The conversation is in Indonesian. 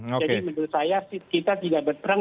jadi menurut saya kita tidak berperang